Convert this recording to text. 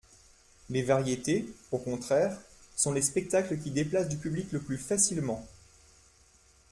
Les variétés, au contraire, sont les spectacles qui déplacent du public le plus facilement.